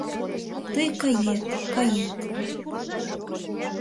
Тый кает, кает...